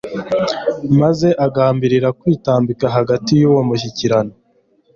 Maze agambirira kwitambika hagati y'uwo mushyikirano.